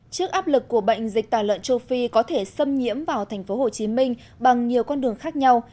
trước áp lực của bệnh dịch tà lợn châu phi có thể xâm nhiễm vào thành phố hồ chí minh bằng nhiều con đường khác nhau